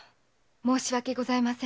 申し訳ございません。